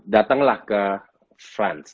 datanglah ke france